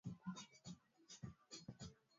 viazi lishe visiachwe mda mrefu ardhini